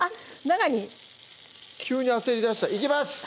急に焦りだしたいきます！